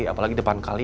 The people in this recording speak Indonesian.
apalagi depan kali